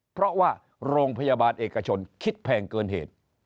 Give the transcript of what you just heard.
เพราะว่าโรงพยาบาลเอกชนคิดแพงเกินเหตุ